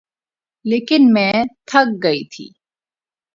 لیکن میں تھک گئی تھی